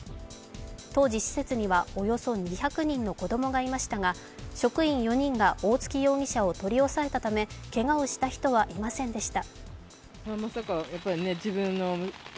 当時、施設にはおよそ２００人の子供がいましたが、職員４人が大槻容疑者を取り押さえたためけがをした人はいませんでした。